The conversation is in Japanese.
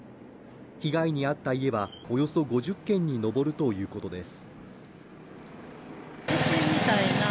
被害に遭った家はおよそ５０軒に上るということです。